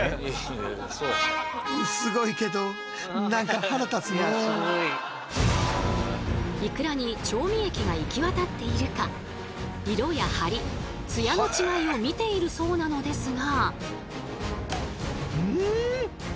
実はこのいくらに調味液が行き渡っているか色や張りツヤの違いを見ているそうなのですが。